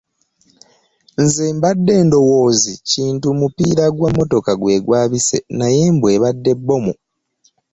Nze mbadde ndowoozi kintu mupiira gwa mmotoka gwe gwabise naye mbu ebadde bbomu.